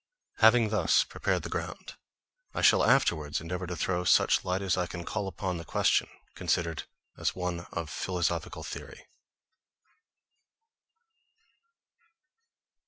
Having thus prepared the ground, I shall afterwards endeavour to throw such light as I can upon the question, considered as one of philosophical theory.